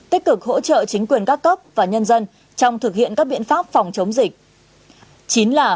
tích cực hỗ trợ chính quyền các cấp và nhân dân trong thực hiện các biện pháp phòng chống dịch